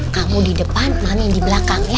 kamu di depan mami yang dibelakang ya